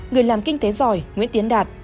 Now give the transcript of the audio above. người làm kinh tế giỏi nguyễn tiến đạt